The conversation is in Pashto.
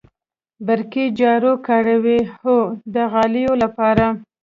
برقی جارو کاروئ؟ هو، د غالیو لپاره